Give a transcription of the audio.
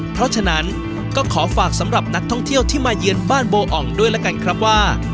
เพราะฉะนั้นก็ขอฝากสำหรับนักท่องเที่ยวที่มาเยือนบ้านโบอ่องด้วยละกันครับว่า